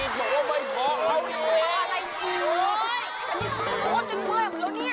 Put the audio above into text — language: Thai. โพสจนหลังดอกเหมือนกันแล้วเนี่ย